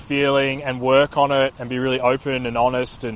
tapi saya sangat mengajak lelaki ini untuk berpikir pikir sendiri